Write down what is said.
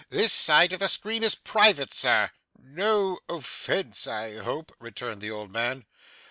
This side of the screen is private, sir.' 'No offence, I hope,' returned the old man.